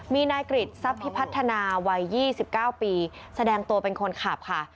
มีนายกริจทรัพย์พิพัฒนาวัย๒๙ปีแสดงตัวเป็นคนขับค่ะ